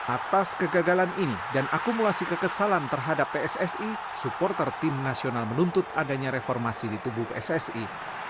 atas kegagalan ini dan akumulasi kekesalan terhadap pssi supporter tim nasional menuntut adanya reformasi di tubuh pssi